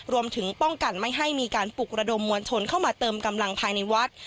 รวมถึงป้องกันไม่ให้มีการปลุกระดมมวลชนเข้ามาเติมกำลังภายในวัด